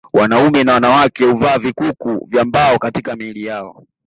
Wanaume na wanawake huvaa vikuku vya mbao katika miili yao